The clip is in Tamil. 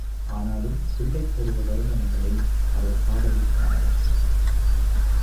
ஆனாலும் பிள்ளைப் பருவ வருணனைகளை அவர் பாடலிற் காணலாம்.